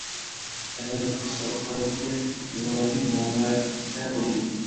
qaysarlik qilishsa, ularga muloyim muomalada bo‘ling.